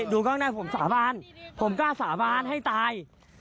ผมกล้าสาบานให้ตาย